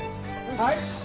はい。